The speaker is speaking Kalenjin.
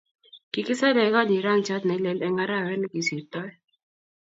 Kikisale konyi rangchat ne lel eng arawet ne kisirtoi